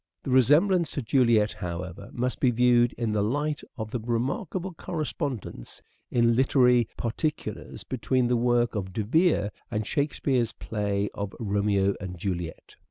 The resemblance to Juliet, however, must be viewed in the light of the remarkable correspondence in literary particulars between the work of De Vere and Shakespeare's play of " Romeo and Juliet."